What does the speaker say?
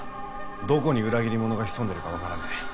どこに裏切り者が潜んでいるかわからねえ。